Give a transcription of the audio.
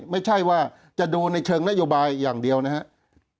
ไม่ใช่ว่าจะดูในเชิงนโยบายอย่างเดียวนะครับ